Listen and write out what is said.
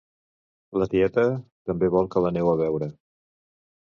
La tieta també vol que l'aneu a veure